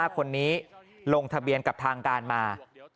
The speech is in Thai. ๕คนนี้ลงทะเบียนกับทางการมา